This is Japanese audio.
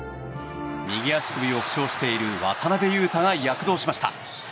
右足首を負傷している渡邊雄太が躍動しました。